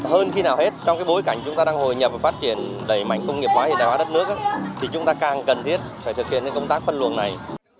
hơn khi nào hết trong bối cảnh chúng ta đang hồi nhập và phát triển đầy mảnh công nghiệp hóa hiện đại hóa đất nước thì chúng ta càng cần thiết phải thực hiện công tác phân luồng này